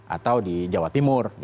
atau di jawa timur